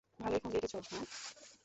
ভালোই ফন্দি এঁটেছো, হাহ?